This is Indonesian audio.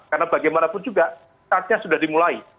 karena bagaimanapun juga saatnya sudah dimulai